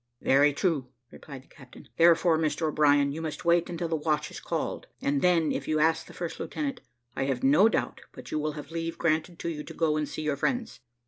`Very true,' replied the captain; `therefore, Mr O'Brien, you must wait until the watch is called, and then, if you ask the first lieutenant, I have no doubt but you will have leave granted to you to go and see your friends.'